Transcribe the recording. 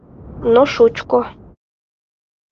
Но шучко...